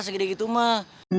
segini gitu mah